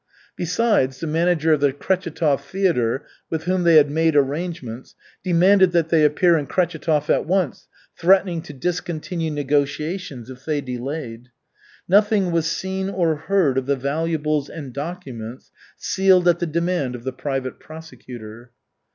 Besides, the manager of the Kretchetov theatre, with whom they had made arrangements, demanded that they appear in Kretchetov at once, threatening to discontinue negotiations if they delayed. Nothing was seen or heard of the valuables and documents sealed at the demand of the private prosecutor.